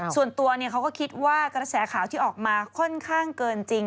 ส่วนตัวเขาก็คิดว่ากระแสข่าวที่ออกมาค่อนข้างเกินจริง